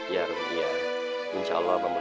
ya rom ya insya allah abang bantuin